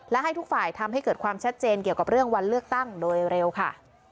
และให้ทุกฝ่ายทำให้เกิดความชัดเจนเกี่ยวกับเรื่องวันเลือกตั้งโดยเร็วค่ะ